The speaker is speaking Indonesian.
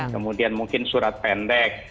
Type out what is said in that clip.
kemudian mungkin surat pendek